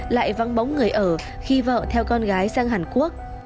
lại vắng bóng người ở khi vợ theo con gái sang hàn quốc